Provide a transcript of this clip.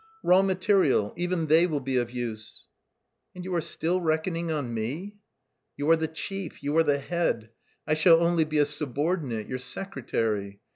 "Raw material. Even they will be of use." "And you are still reckoning on me?" "You are the chief, you are the head; I shall only be a subordinate, your secretary.